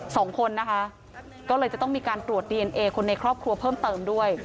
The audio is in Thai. สองคนนะคะก็เลยจะต้องมีการตรวจดีเอนเอคนในครอบครัวเพิ่มเติมด้วย